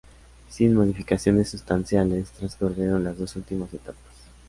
Sin modificaciones sustanciales transcurrieron las dos últimas etapas.